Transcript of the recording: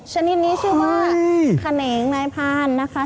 ชนิดนี้ชื่อว่าคเนงไนภาณนะคะ